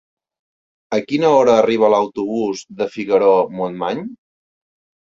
A quina hora arriba l'autobús de Figaró-Montmany?